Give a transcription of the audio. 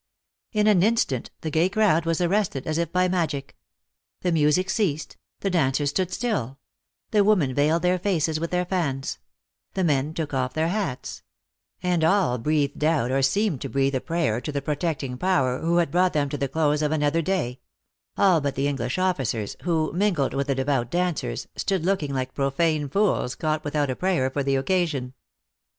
In an instant the gay crowd was arrested as if by magic. The music ceased ; the dancers stood still ; the women veiled their faces with their fans; the men took off their hats ; and all breathed out or seem ed to breathe a prayer to the protecting power who had brought them to the close of another day all but the English officers, who, mingled with the devout dancers, stood looking like profane fools caught with out a prayer for the occasion.